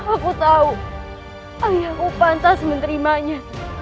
aku tahu ayahku pantas menerimanya